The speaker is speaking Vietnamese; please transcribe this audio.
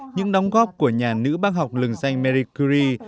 những đóng góp của nhà nữ bác học lừng danh mary curie